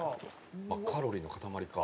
カロリーの塊か。